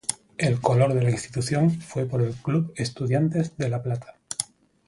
El color de la institución fue por el Club Estudiantes de La Plata.